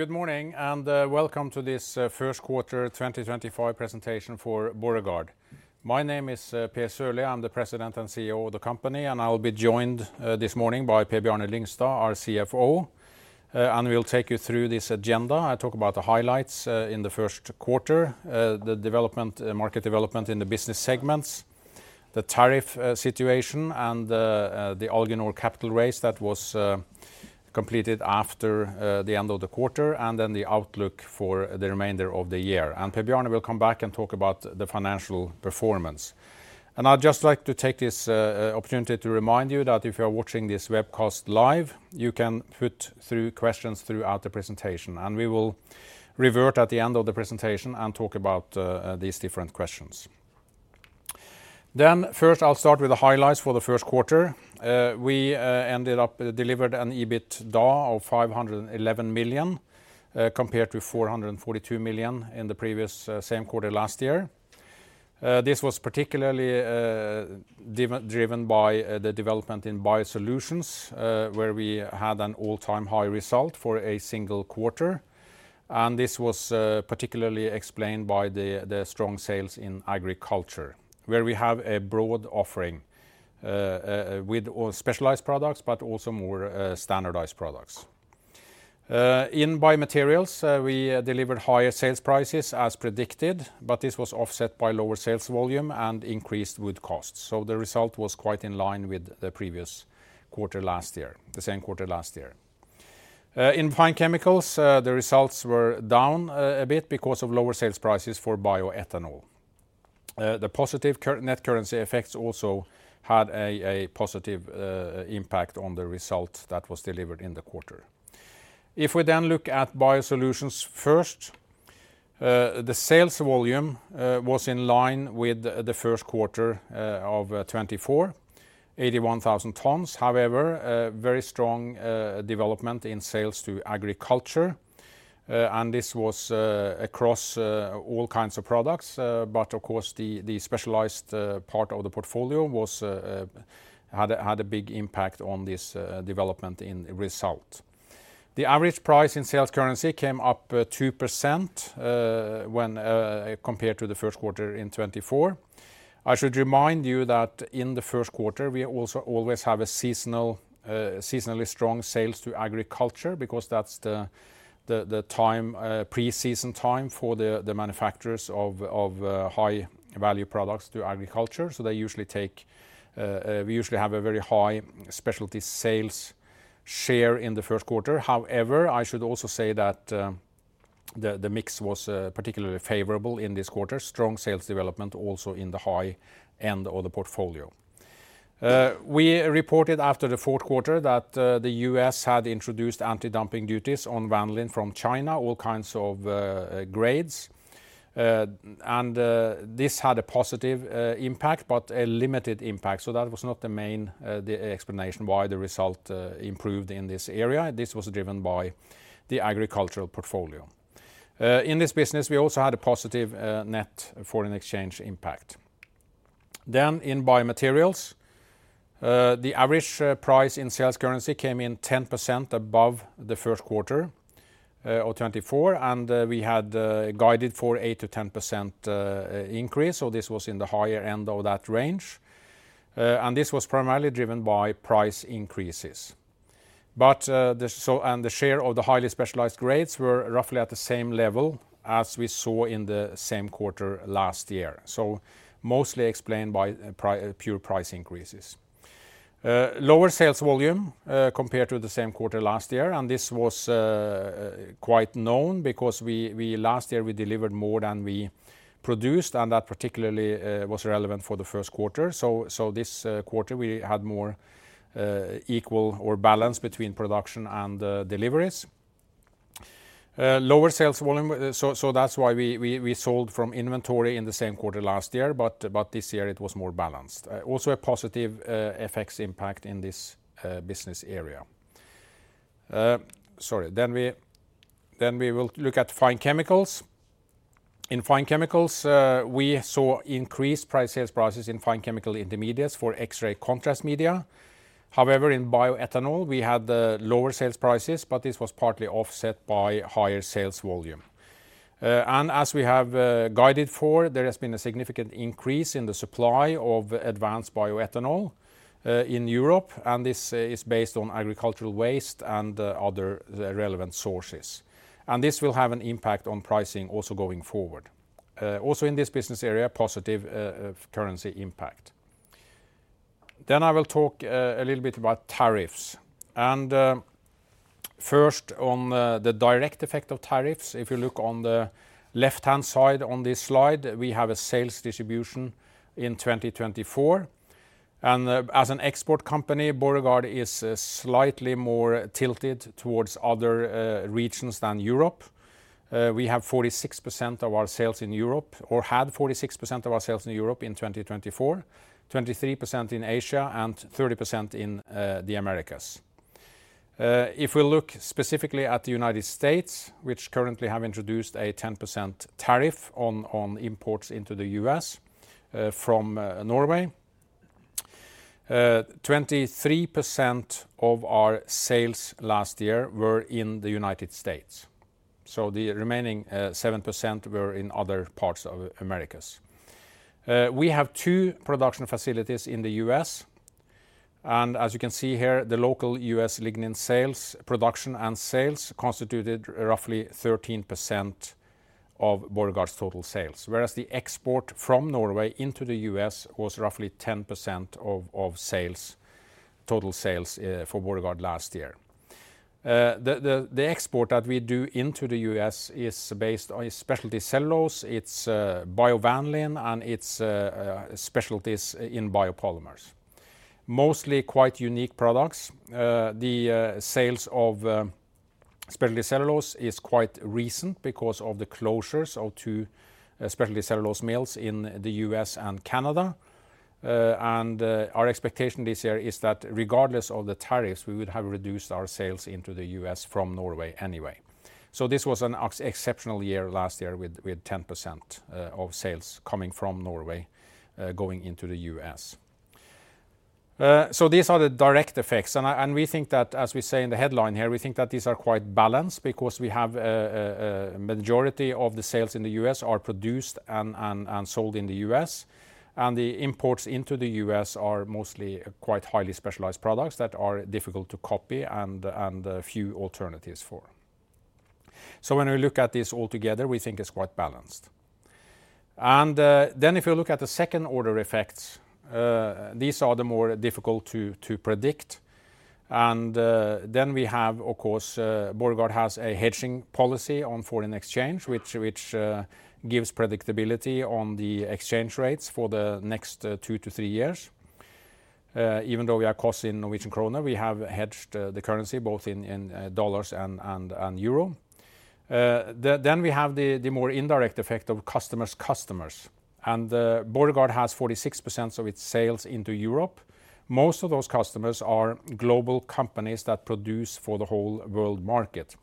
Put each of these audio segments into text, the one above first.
Good morning and welcome to this first quarter 2025 presentation for Borregaard. My name is Per Sørlie. I'm the President and CEO of the company, and I'll be joined this morning by Per Bjarne Lyngstad, our CFO, and we'll take you through this agenda. I'll talk about the highlights in the first quarter, the market development in the business segments, the tariff situation, and the Alginor capital raise that was completed after the end of the quarter, and the outlook for the remainder of the year. Per Bjarne will come back and talk about the financial performance. I'd just like to take this opportunity to remind you that if you are watching this webcast live, you can put through questions throughout the presentation, and we will revert at the end of the presentation and talk about these different questions. First, I'll start with the highlights for the first quarter. We ended up delivering an EBITDA of 511 million compared to 442 million in the same quarter last year. This was particularly driven by the development in BioSolutions, where we had an all-time high result for a single quarter, and this was particularly explained by the strong sales in agriculture, where we have a broad offering with specialized products, but also more standardized products. In BioMaterials, we delivered higher sales prices as predicted, but this was offset by lower sales volume and increased wood costs. The result was quite in line with the same quarter last year. In Fine Chemicals, the results were down a bit because of lower sales prices for bioethanol. The positive net currency effects also had a positive impact on the result that was delivered in the quarter. If we then look at BioSolutions first, the sales volume was in line with the first quarter of 2024, 81,000 tons. However, very strong development in sales to agriculture, and this was across all kinds of products, but of course the specialized part of the portfolio had a big impact on this development in result. The average price in sales currency came up 2% when compared to the first quarter in 2024. I should remind you that in the first quarter, we also always have a seasonally strong sales to agriculture because that's the pre-season time for the manufacturers of high-value products to agriculture. They usually take—we usually have a very high specialty sales share in the first quarter. However, I should also say that the mix was particularly favorable in this quarter, strong sales development also in the high end of the portfolio. We reported after the fourth quarter that the U.S. had introduced anti-dumping duties on vanillin from China, all kinds of grades, and this had a positive impact, but a limited impact. That was not the main explanation why the result improved in this area. This was driven by the agricultural portfolio. In this business, we also had a positive net foreign exchange impact. In biomaterials, the average price in sales currency came in 10% above the first quarter of 2024, and we had guided for 8%-10% increase. This was in the higher end of that range, and this was primarily driven by price increases. The share of the highly specialized grades were roughly at the same level as we saw in the same quarter last year, so mostly explained by pure price increases. Lower sales volume compared to the same quarter last year, and this was quite known because last year we delivered more than we produced, and that particularly was relevant for the first quarter. This quarter, we had more equal or balanced between production and deliveries. Lower sales volume, so that's why we sold from inventory in the same quarter last year, but this year it was more balanced. Also a positive FX impact in this business area. Sorry, we will look at fine chemicals. In fine chemicals, we saw increased sales prices in fine chemical intermediates for X-ray contrast media. However, in bioethanol, we had lower sales prices, but this was partly offset by higher sales volume. As we have guided for, there has been a significant increase in the supply of advanced bioethanol in Europe, and this is based on agricultural waste and other relevant sources. This will have an impact on pricing also going forward. Also in this business area, positive currency impact. I will talk a little bit about tariffs. First, on the direct effect of tariffs, if you look on the left-hand side on this slide, we have a sales distribution in 2024. As an export company, Borregaard is slightly more tilted towards other regions than Europe. We have 46% of our sales in Europe or had 46% of our sales in Europe in 2024, 23% in Asia, and 30% in the Americas. If we look specifically at the United States, which currently have introduced a 10% tariff on imports into the U.S. from Norway, 23% of our sales last year were in the United States. The remaining 7% were in other parts of the Americas. We have two production facilities in the U.S., and as you can see here, the local U.S. lignin sales, production and sales constituted roughly 13% of Borregaard's total sales, whereas the export from Norway into the U.S. was roughly 10% of total sales for Borregaard last year. The export that we do into the U.S. is based on specialty cellulose, it's biovanillin, and it's specialties in biopolymers. Mostly quite unique products. The sales of specialty cellulose is quite recent because of the closures of two specialty cellulose mills in the U.S. and Canada. Our expectation this year is that regardless of the tariffs, we would have reduced our sales into the U.S. from Norway anyway. This was an exceptional year last year with 10% of sales coming from Norway going into the U.S. These are the direct effects, and we think that, as we say in the headline here, we think that these are quite balanced because we have a majority of the sales in the U.S. are produced and sold in the U.S., and the imports into the U.S. are mostly quite highly specialized products that are difficult to copy and few alternatives for. When we look at this altogether, we think it's quite balanced. If you look at the second order effects, these are the more difficult to predict. We have, of course, Borregaard has a hedging policy on foreign exchange, which gives predictability on the exchange rates for the next two to three years. Even though we are costing Norwegian kroner, we have hedged the currency both in dollars and euro. We have the more indirect effect of customers' customers. Borregaard has 46% of its sales into Europe. Most of those customers are global companies that produce for the whole world market.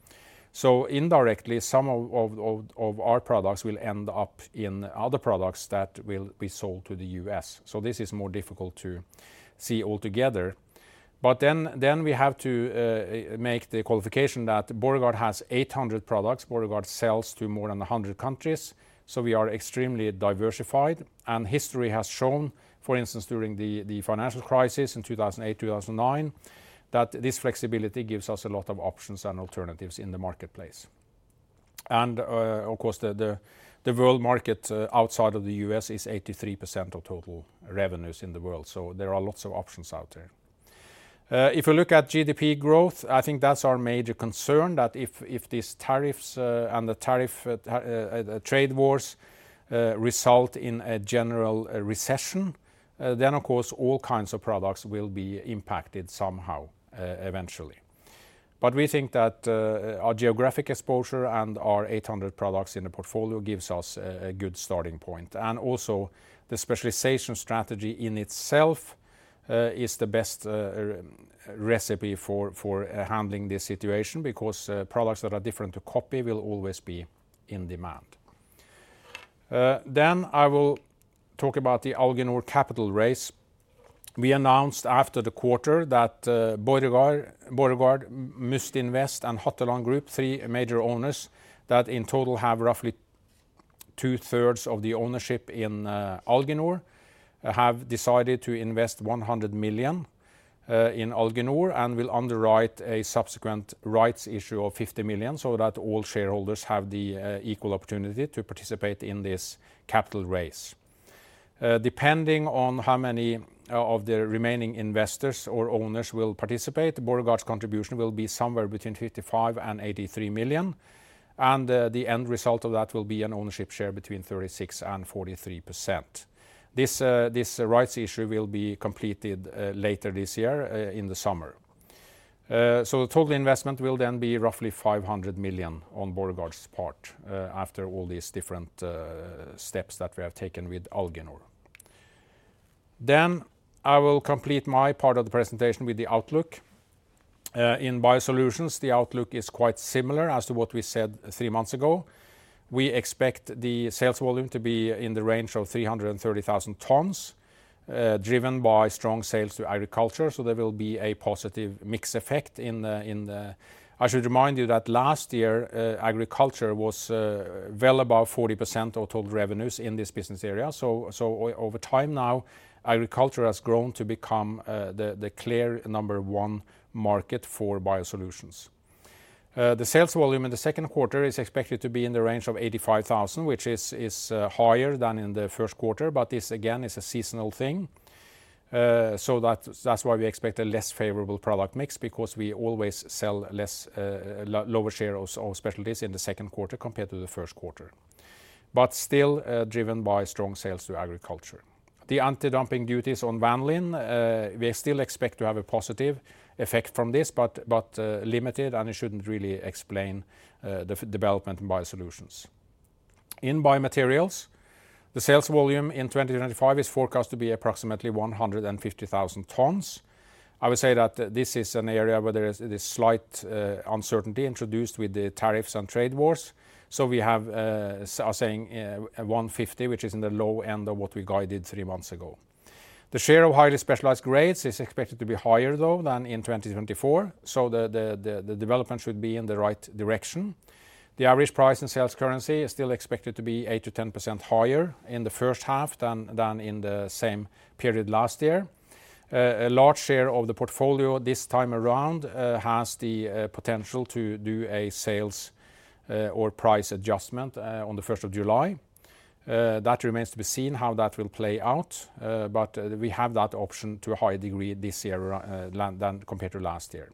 Indirectly, some of our products will end up in other products that will be sold to the U.S. This is more difficult to see altogether. We have to make the qualification that Borregaard has 800 products. Borregaard sells to more than 100 countries. We are extremely diversified, and history has shown, for instance, during the financial crisis in 2008, 2009, that this flexibility gives us a lot of options and alternatives in the marketplace. Of course, the world market outside of the U.S. is 83% of total revenues in the world. There are lots of options out there. If we look at GDP growth, I think that's our major concern that if these tariffs and the tariff trade wars result in a general recession, of course, all kinds of products will be impacted somehow eventually. We think that our geographic exposure and our 800 products in the portfolio gives us a good starting point. Also, the specialization strategy in itself is the best recipe for handling this situation because products that are different to copy will always be in demand. I will talk about the Alginor capital raise. We announced after the quarter that Borregaard, Musti Invest, and Hottoland Group, three major owners that in total have roughly two-thirds of the ownership in Alginor, have decided to invest 100 million in Alginor and will underwrite a subsequent rights issue of 50 million so that all shareholders have the equal opportunity to participate in this capital raise. Depending on how many of the remaining investors or owners will participate, Borregaard's contribution will be somewhere between 55 million-83 million, and the end result of that will be an ownership share between 36% and 43%. This rights issue will be completed later this year in the summer. The total investment will then be roughly 500 million on Borregaard's part after all these different steps that we have taken with Alginor. I will complete my part of the presentation with the outlook. In BioSolutions, the outlook is quite similar as to what we said three months ago. We expect the sales volume to be in the range of 330,000 tons driven by strong sales to agriculture, so there will be a positive mix effect in the. I should remind you that last year, agriculture was well above 40% of total revenues in this business area. Over time now, agriculture has grown to become the clear number one market for BioSolutions. The sales volume in the second quarter is expected to be in the range of 85,000, which is higher than in the first quarter. This again is a seasonal thing. That is why we expect a less favorable product mix because we always sell lower shares of specialties in the second quarter compared to the first quarter, but still driven by strong sales to agriculture. The anti-dumping duties on vanillin, we still expect to have a positive effect from this, but limited, and it shouldn't really explain the development in BioSolutions. In BioMaterials, the sales volume in 2025 is forecast to be approximately 150,000 tons. I would say that this is an area where there is this slight uncertainty introduced with the tariffs and trade wars. We are saying 150, which is in the low end of what we guided three months ago. The share of highly specialized grades is expected to be higher, though, than in 2024. The development should be in the right direction. The average price in sales currency is still expected to be 8%-10% higher in the first half than in the same period last year. A large share of the portfolio this time around has the potential to do a sales or price adjustment on the 1st of July. That remains to be seen how that will play out, but we have that option to a higher degree this year than compared to last year.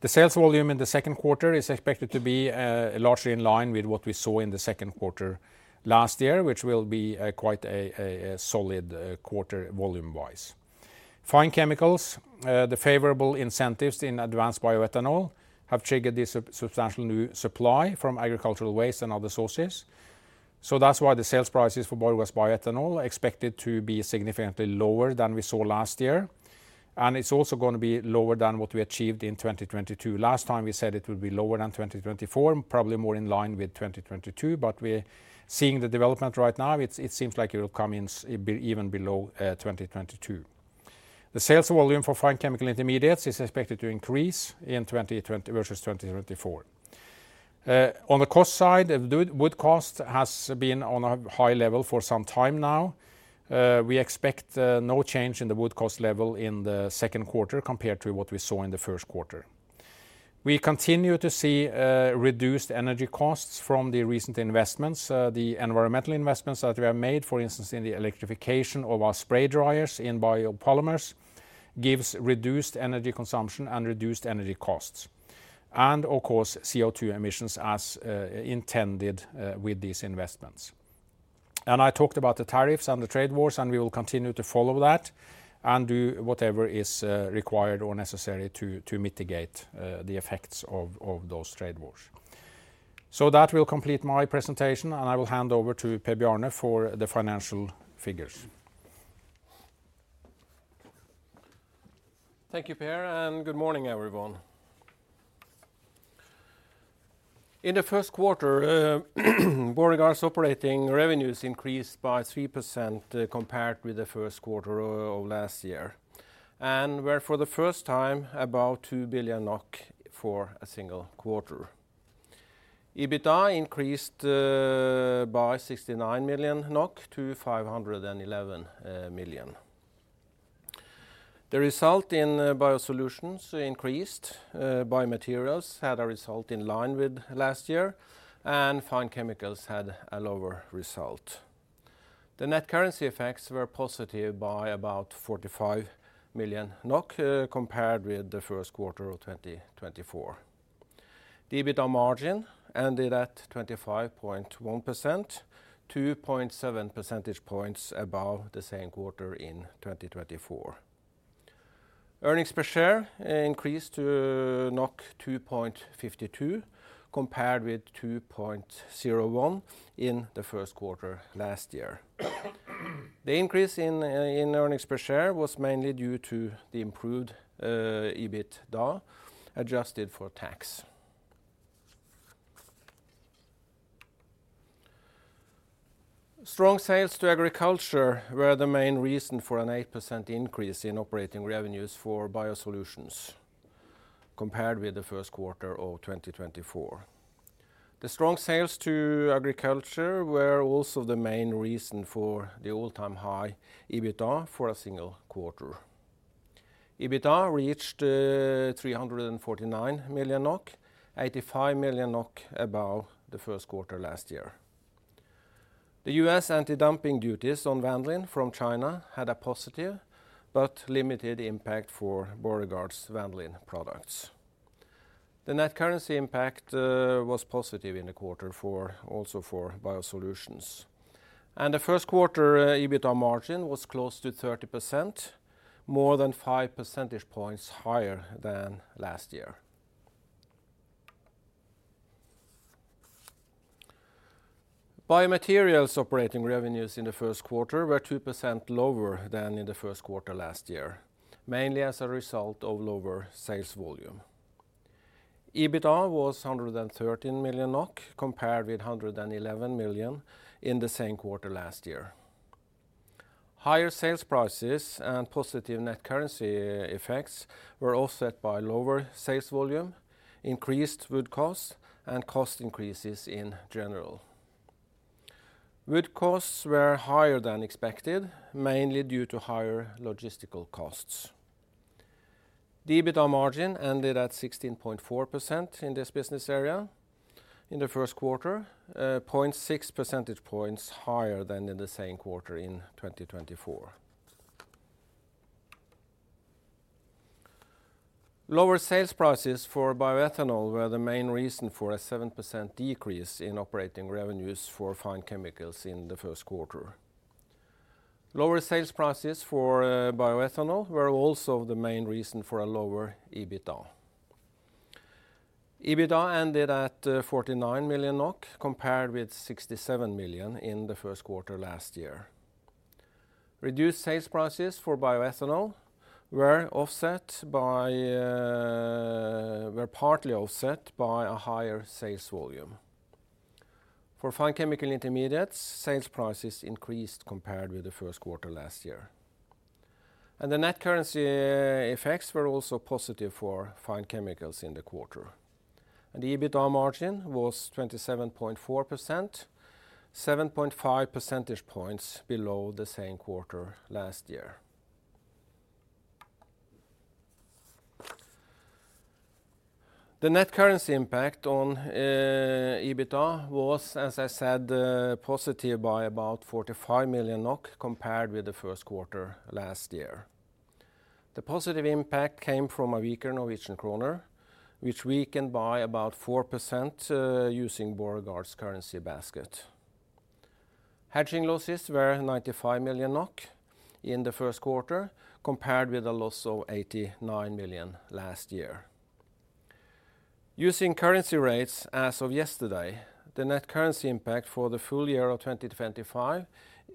The sales volume in the second quarter is expected to be largely in line with what we saw in the second quarter last year, which will be quite a solid quarter volume-wise. Fine chemicals, the favorable incentives in advanced bioethanol have triggered this substantial new supply from agricultural waste and other sources. That is why the sales prices for Borregaard's bioethanol are expected to be significantly lower than we saw last year. It is also going to be lower than what we achieved in 2022. Last time we said it would be lower than 2024, probably more in line with 2022, but we're seeing the development right now. It seems like it will come in even below 2022. The sales volume for fine chemical intermediates is expected to increase in 2024 versus 2022. On the cost side, wood cost has been on a high level for some time now. We expect no change in the wood cost level in the second quarter compared to what we saw in the first quarter. We continue to see reduced energy costs from the recent investments. The environmental investments that we have made, for instance, in the electrification of our spray dryers in biopolymers gives reduced energy consumption and reduced energy costs. Of course, CO2 emissions as intended with these investments. I talked about the tariffs and the trade wars, and we will continue to follow that and do whatever is required or necessary to mitigate the effects of those trade wars. That will complete my presentation, and I will hand over to Per Bjarne for the financial figures. Thank you, Per, and good morning, everyone. In the first quarter, Borregaard's operating revenues increased by 3% compared with the first quarter of last year, and were for the first time about 2 billion NOK for a single quarter. EBITDA increased by 69 million NOK to 511 million. The result in BioSolutions increased. BioMaterials had a result in line with last year, and Fine Chemicals had a lower result. The net currency effects were positive by about 45 million NOK compared with the first quarter of 2024. EBITDA margin ended at 25.1%, 2.7 percentage points above the same quarter in 2024. Earnings per share increased to 2.52 compared with 2.01 in the first quarter last year. The increase in earnings per share was mainly due to the improved EBITDA adjusted for tax. Strong sales to agriculture were the main reason for an 8% increase in operating revenues for BioSolutions compared with the first quarter of 2024. The strong sales to agriculture were also the main reason for the all-time high EBITDA for a single quarter. EBITDA reached 349 million NOK, 85 million NOK above the first quarter last year. The U.S. anti-dumping duties on vanillin from China had a positive but limited impact for Borregaard's vanillin products. The net currency impact was positive in the quarter also for BioSolutions. The first quarter EBITDA margin was close to 30%, more than 5 percentage points higher than last year. BioMaterials operating revenues in the first quarter were 2% lower than in the first quarter last year, mainly as a result of lower sales volume. EBITDA was 113 million NOK compared with 111 million in the same quarter last year. Higher sales prices and positive net currency effects were offset by lower sales volume, increased wood costs, and cost increases in general. Wood costs were higher than expected, mainly due to higher logistical costs. EBITDA margin ended at 16.4% in this business area in the first quarter, 0.6 percentage points higher than in the same quarter in 2024. Lower sales prices for bioethanol were the main reason for a 7% decrease in operating revenues for fine chemicals in the first quarter. Lower sales prices for bioethanol were also the main reason for a lower EBITDA. EBITDA ended at 49 million NOK compared with 67 million in the first quarter last year. Reduced sales prices for bioethanol were partly offset by a higher sales volume. For fine chemical intermediates, sales prices increased compared with the first quarter last year. The net currency effects were also positive for fine chemicals in the quarter. The EBITDA margin was 27.4%, 7.5 percentage points below the same quarter last year. The net currency impact on EBITDA was, as I said, positive by about 45 million NOK compared with the first quarter last year. The positive impact came from a weaker Norwegian kroner, which weakened by about 4% using Borregaard's currency basket. Hedging losses were 95 million NOK in the first quarter compared with a loss of 89 million last year. Using currency rates as of yesterday, the net currency impact for the full year of 2025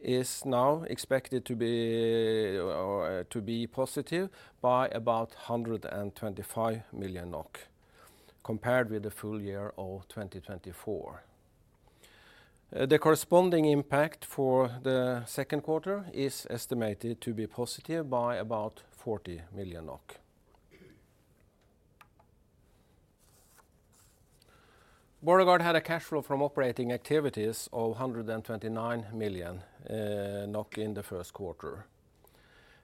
is now expected to be positive by about 125 million NOK compared with the full year of 2024. The corresponding impact for the second quarter is estimated to be positive by about 40 million NOK. Borregaard had a cash flow from operating activities of 129 million NOK in the first quarter.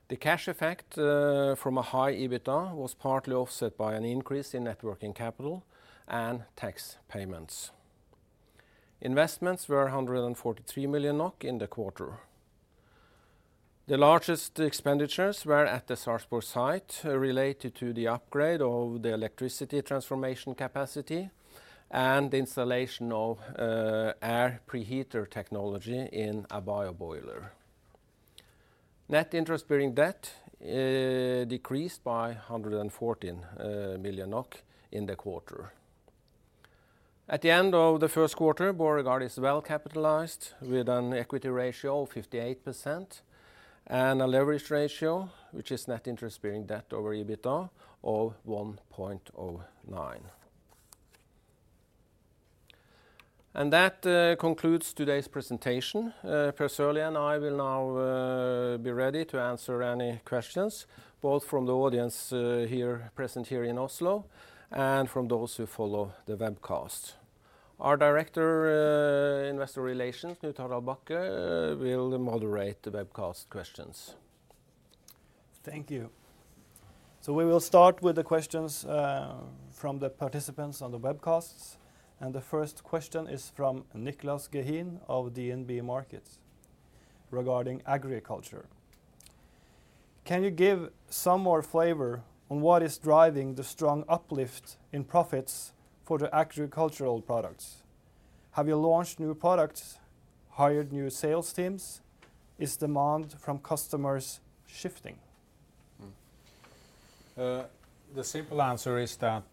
The cash effect from a high EBITDA was partly offset by an increase in net working capital and tax payments. Investments were 143 million NOK in the quarter. The largest expenditures were at the Salzburg site related to the upgrade of the electricity transformation capacity and the installation of air preheater technology in a bioboiler. Net interest-bearing debt decreased by 114 million NOK in the quarter. At the end of the first quarter, Borregaard is well capitalized with an equity ratio of 58% and a leverage ratio, which is net interest-bearing debt over EBITDA, of 1.09. That concludes today's presentation. Per Sørlie and I will now be ready to answer any questions, both from the audience present here in Oslo and from those who follow the webcast. Our Director of Investor Relations, Knut-Harald Bakke, will moderate the webcast questions. Thank you. We will start with the questions from the participants on the webcast. The first question is from Niklas Gehin of DNB Markets regarding agriculture. Can you give some more flavor on what is driving the strong uplift in profits for the agricultural products? Have you launched new products, hired new sales teams? Is demand from customers shifting? The simple answer is that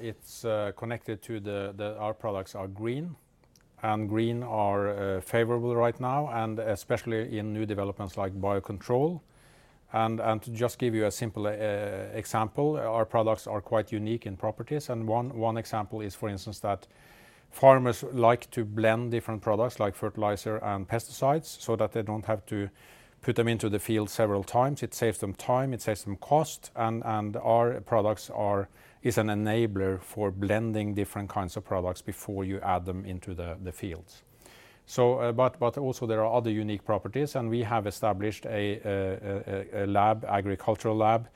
it's connected to our products are green, and green are favorable right now, especially in new developments like biocontrol. To just give you a simple example, our products are quite unique in properties. One example is, for instance, that farmers like to blend different products like fertilizer and pesticides so that they do not have to put them into the field several times. It saves them time, it saves them cost, and our products are an enabler for blending different kinds of products before you add them into the fields. There are also other unique properties, and we have established an agricultural lab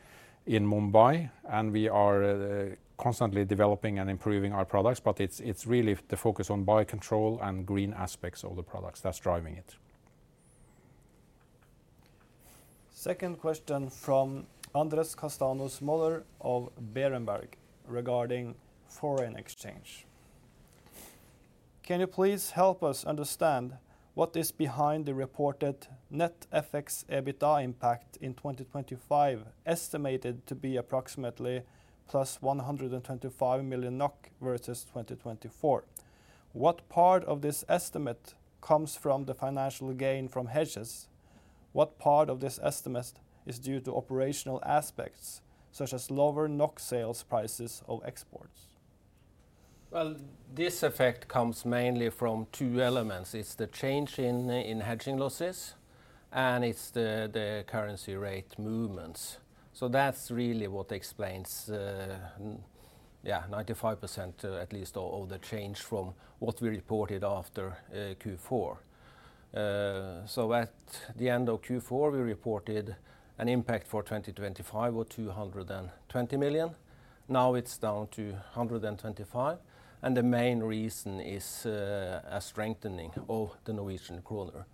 in Mumbai, and we are constantly developing and improving our products, but it's really the focus on biocontrol and green aspects of the products that's driving it. Second question from Andres Castanos Moller of Berenberg regarding foreign exchange. Can you please help us understand what is behind the reported net FX EBITDA impact in 2025 estimated to be approximately 125 million NOK versus 2024? What part of this estimate comes from the financial gain from hedges? What part of this estimate is due to operational aspects such as lower NOK sales prices of exports? This effect comes mainly from two elements. It's the change in hedging losses, and it's the currency rate movements. That's really what explains, yeah, 95% at least of the change from what we reported after Q4. At the end of Q4, we reported an impact for 2025 of 220 million. Now it's down to 125 million, and the main reason is a strengthening of the Norwegian kroner.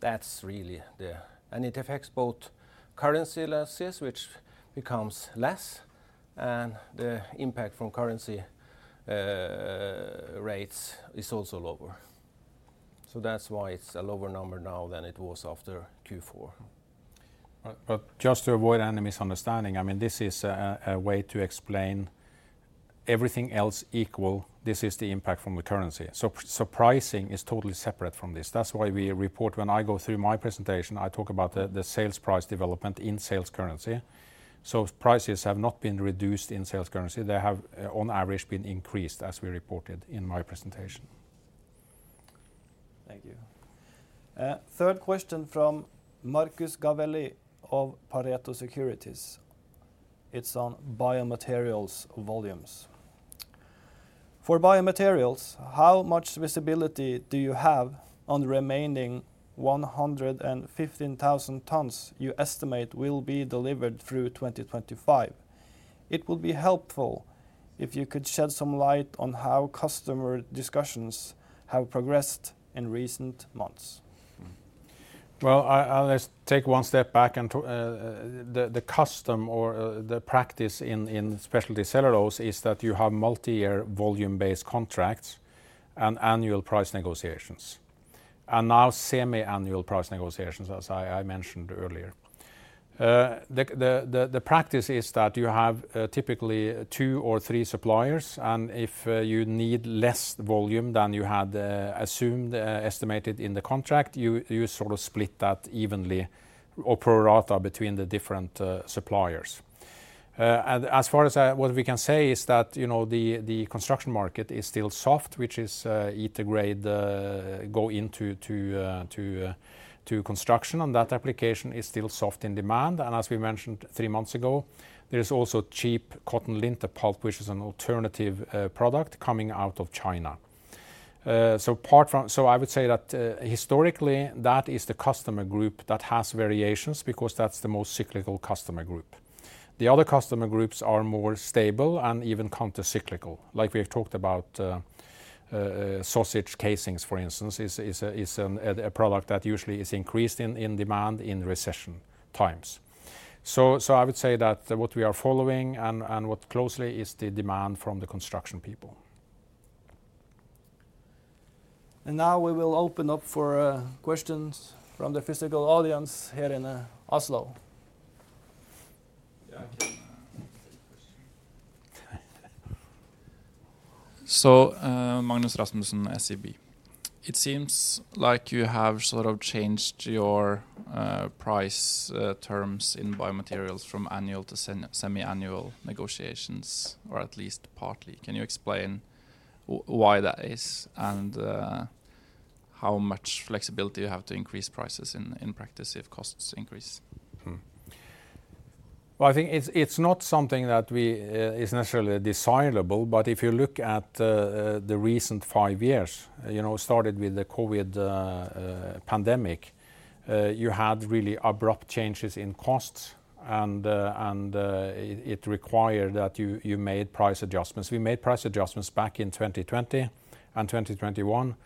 That's really it. It affects both currency losses, which become less, and the impact from currency rates is also lower. That's why it's a lower number now than it was after Q4. Just to avoid any misunderstanding, I mean, this is a way to explain everything else equal. This is the impact from the currency. Pricing is totally separate from this. That's why we report when I go through my presentation, I talk about the sales price development in sales currency. Prices have not been reduced in sales currency. They have, on average, been increased, as we reported in my presentation. Thank you. Third question from Marcus Gavelli of Pareto Securities. It's on biomaterials volumes. For biomaterials, how much visibility do you have on the remaining 115,000 tons you estimate will be delivered through 2025? It would be helpful if you could shed some light on how customer discussions have progressed in recent months. I'll just take one step back. The custom or the practice in specialty cellulose is that you have multi-year volume-based contracts and annual price negotiations, and now semi-annual price negotiations, as I mentioned earlier. The practice is that you have typically two or three suppliers, and if you need less volume than you had assumed, estimated in the contract, you sort of split that evenly or pro rata between the different suppliers. As far as what we can say is that the construction market is still soft, which is ETA grade go into construction, and that application is still soft in demand. As we mentioned three months ago, there is also cheap cotton linter pulp, which is an alternative product coming out of China. I would say that historically, that is the customer group that has variations because that's the most cyclical customer group. The other customer groups are more stable and even counter-cyclical. Like we have talked about, sausage casings, for instance, is a product that usually is increased in demand in recession times. I would say that what we are following and what closely is the demand from the construction people. We will now open up for questions from the physical audience here in Oslo. Magnus Rasmussen, SEB. It seems like you have sort of changed your price terms in biomaterials from annual to semi-annual negotiations, or at least partly. Can you explain why that is and how much flexibility you have to increase prices in practice if costs increase? I think it's not something that is necessarily desirable, but if you look at the recent five years, started with the COVID pandemic, you had really abrupt changes in costs, and it required that you made price adjustments. We made price adjustments back in 2020 and 2021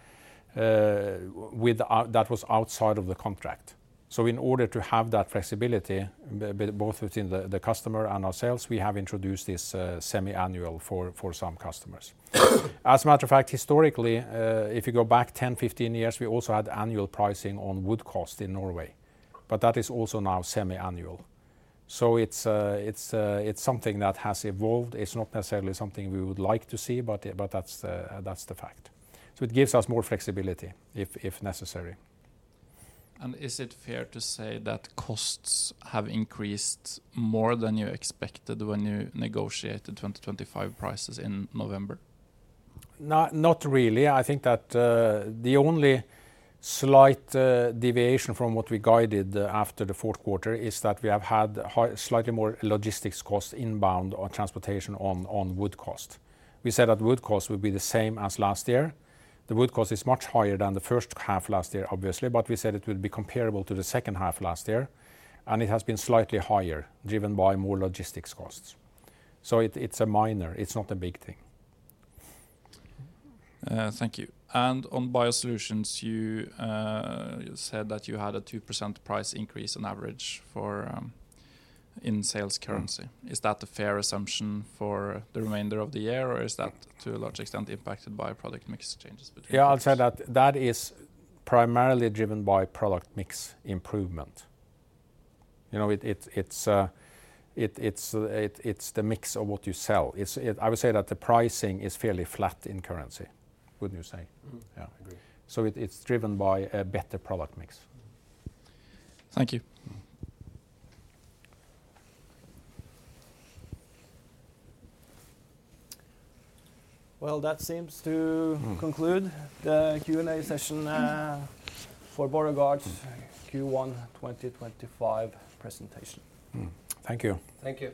that was outside of the contract. In order to have that flexibility, both within the customer and ourselves, we have introduced this semi-annual for some customers. As a matter of fact, historically, if you go back 10-15 years, we also had annual pricing on wood cost in Norway, but that is also now semi-annual. It is something that has evolved. It is not necessarily something we would like to see, but that is the fact. It gives us more flexibility if necessary. Is it fair to say that costs have increased more than you expected when you negotiated 2025 prices in November? Not really. I think that the only slight deviation from what we guided after the fourth quarter is that we have had slightly more logistics cost inbound on transportation on wood cost. We said that wood cost would be the same as last year. The wood cost is much higher than the first half last year, obviously, but we said it would be comparable to the second half last year, and it has been slightly higher driven by more logistics costs. It is a minor. It is not a big thing. Thank you. On BioSolutions, you said that you had a 2% price increase on average in sales currency. Is that a fair assumption for the remainder of the year, or is that to a large extent impacted by product mix changes? Yeah, I'll say that that is primarily driven by product mix improvement. It's the mix of what you sell. I would say that the pricing is fairly flat in currency, wouldn't you say? Yeah, so it's driven by a better product mix. Thank you. That seems to conclude the Q&A session for Borregaard's Q1 2025 presentation. Thank you. Thank you.